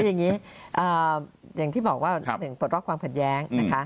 อย่างที่บอกว่าหนึ่งปลดล็อกความผลันแย้ง